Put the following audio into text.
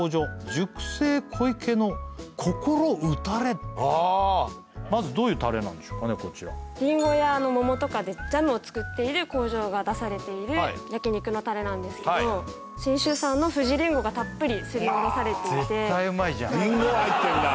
熟成小池の心打たれああリンゴやモモとかでジャムを造っている工場が出されている焼肉のタレなんですけど信州産のふじリンゴがたっぷりすりおろされていて絶対うまいじゃんリンゴが入ってんだ